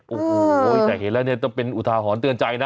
โอ้โหแต่เห็นแล้วเนี่ยต้องเป็นอุทาหรณ์เตือนใจนะ